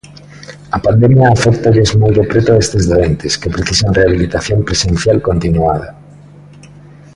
A pandemia aféctalles moi de preto a estes doentes, que precisan rehabilitación presencial continuada.